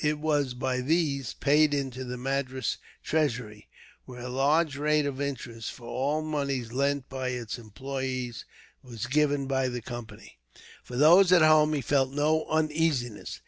It was, by these, paid into the Madras treasury, where a large rate of interest, for all monies lent by its employees, was given by the Company. For those at home he felt no uneasiness.